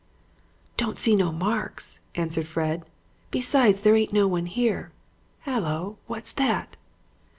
"'Don't see no marks,' answered Fred; 'besides there ain't no one here. Hallo! what's that?'